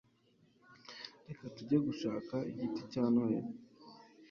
reka tujye gushaka igiti cya noheri